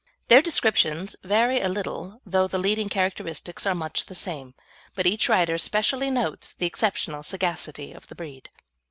Their descriptions vary a little, though the leading characteristics are much the same, but each writer specially notes the exceptional sagacity of the breed.